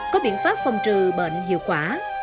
có biện pháp phòng trừ bệnh hiệu quả